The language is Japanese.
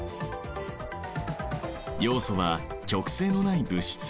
ヨウ素は極性のない物質。